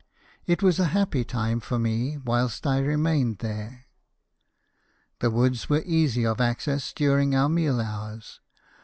It was a happy time for me whilst I remained there. The woods were easy of access during our meal hours.